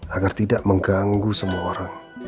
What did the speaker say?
agar tidak mengganggu semua orang